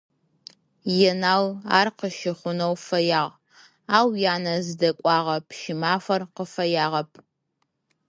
Енал ар къыщэнэу фэягъ, ау янэ зыдэкӏуагъэ Пщымафэр къыфэягъэп.